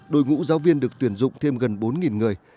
đội ngũ giáo viên được tuyển dụng thêm gần bốn người